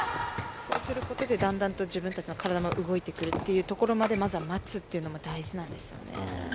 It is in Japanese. そうすることでだんだんと自分たちの体も動いてくるというところまでまずは待つというのが大事なんですね。